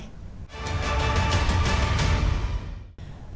nước tiểu vang nouveau